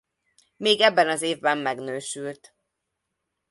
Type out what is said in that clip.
Még ebben az évben megnősült.